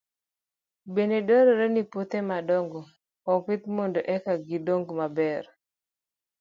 Bende dwarore ni puothe madongo opidh mondo eka gidong maber.